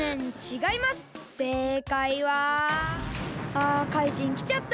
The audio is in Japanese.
あかいじんきちゃった。